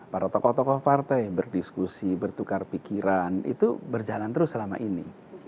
para tokoh tokoh partai berdiskusi bertukar pikiran itu berjalan terus selama ini